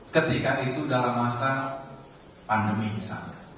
ketika itu dalam masa pandemi misalnya